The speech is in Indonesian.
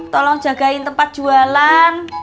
tolong jagain tempat jualan